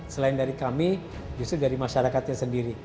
selain dari kami justru dari masyarakatnya sendiri